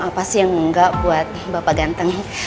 apa sih yang enggak buat bapak ganteng